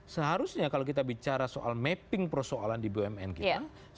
seharusnya kalau kita bicara soal mapping persoalan di bumn kita